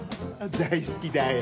大好きだよ。